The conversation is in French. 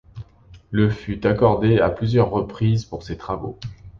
Le fut accordé à plusieurs reprises pour ces travaux.